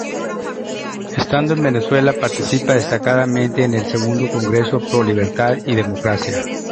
Estando en Venezuela participa destacadamente en el Segundo Congreso Pro Libertad y Democracia.